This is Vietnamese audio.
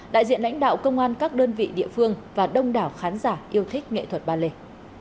đại diện lãnh đạo công an các đơn vị địa phương và đông đảo khán giả yêu thích nghệ thuật ballet